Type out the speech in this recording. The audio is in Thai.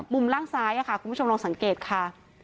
ล่างซ้ายค่ะคุณผู้ชมลองสังเกตค่ะ